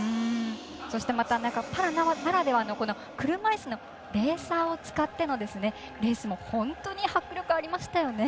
そしてパラならではの車いすのレーサーを使ってのレースも本当に迫力ありましたよね。